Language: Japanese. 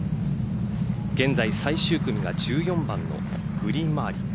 現在最終組が１４番のグリーン周り